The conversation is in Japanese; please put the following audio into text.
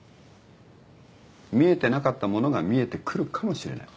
見えてなかったものが見えてくるかもしれない。